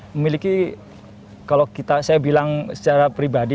memiliki kalau kita saya bilang secara pribadi